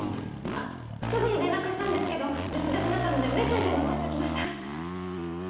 あっすぐに連絡したんですけど留守電になったのでメッセージを残しておきました。